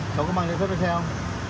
đâu có mang đăng ký xe không